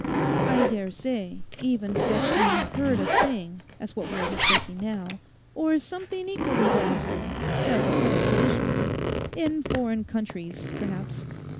I dare say even such an unheard of thing as what we are discussing now, or something equally ghastly, does occur occasionally. In foreign countries, perhaps.